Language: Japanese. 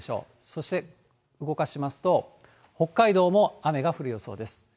そして動かしますと、北海道も雨が降る予想です。